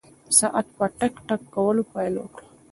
ساعت په ټک ټک کولو پیل وکړ.